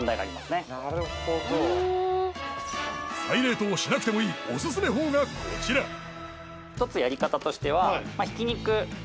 なるほどふん再冷凍しなくてもいいおすすめ法がこちら・へえ！